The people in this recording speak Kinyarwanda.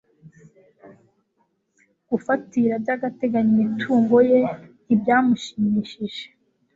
gufatira by' agateganyo imitungo ye ntibyamushimishije